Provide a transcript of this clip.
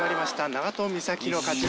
長門美咲の勝ち。